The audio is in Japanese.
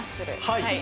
はい。